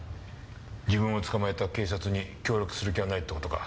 自分を捕まえた警察に協力する気はないって事か。